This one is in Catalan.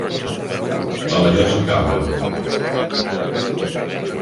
Talaiots amb cambra: